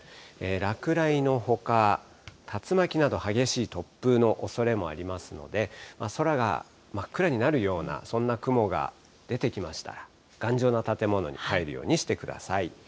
落雷のほか、竜巻など激しい突風のおそれもありますので、空が真っ暗になるようなそんな雲が出てきましたら、頑丈な建物に入るようにしてください。